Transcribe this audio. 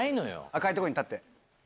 赤いとこに立って。